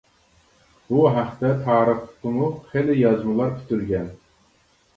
بۇ ھەقتە تارىخقىمۇ خېلى يازمىلار پۈتۈلگەن.